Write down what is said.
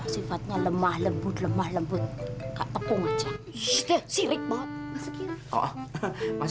sifatnya lemah lembut lemah lembut tepung aja